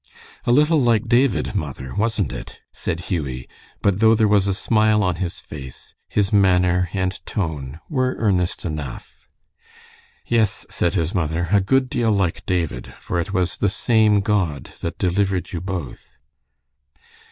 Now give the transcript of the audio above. "A little like David, mother, wasn't it?" said Hughie; but though there was a smile on his face, his manner and tone were earnest enough. "Yes," said his mother, "a good deal like David, for it was the same God that delivered you both."